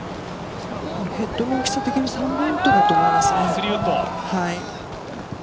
ヘッドの大きさ的に３番ウッドかと思いますね。